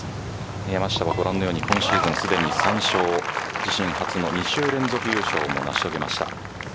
山下はごらんのように今シーズンすでに３勝、自身初の２週連続優勝も成し遂げました。